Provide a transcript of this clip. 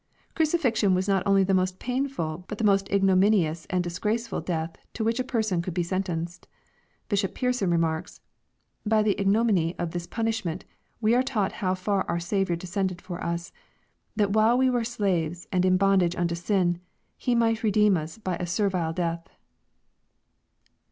] Crucifixion was not only the most painful, but the most ignominious and disgraceful death to which a person could be sentenced. Bishop Pearson remarks, " By the ignominy of this punishment, we are taught how far our Saviour descend^ for us, that while we were slaves, and in bondage unto sin. He might redeem us by a servile death."